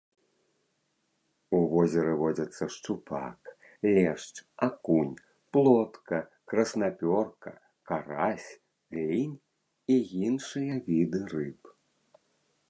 У возеры водзяцца шчупак, лешч, акунь, плотка, краснапёрка, карась, лінь і іншыя віды рыб.